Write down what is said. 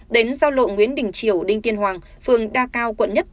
đến giao lộ nguyễn đình triều đinh tiên hoàng phường đa cao quận một